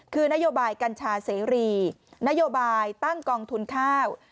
คือนโยบายกัญชาเสรีนโยบายตั้งกองทุนข้าว